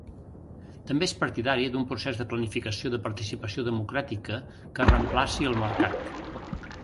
També és partidari d'un procés de planificació de participació democràtica que reemplaci el mercat.